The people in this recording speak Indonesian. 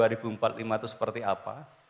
dua ribu empat puluh lima itu seperti apa